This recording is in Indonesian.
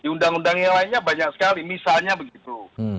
di undang undang yang lainnya banyak sekali misalnya begitu